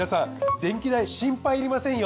電気代心配いりませんよ。